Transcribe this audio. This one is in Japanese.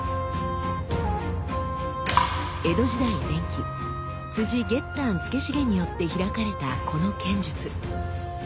江戸時代前期月丹資茂によって開かれたこの剣術。